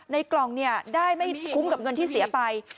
กล่องได้ไม่คุ้มกับเงินที่เสียไป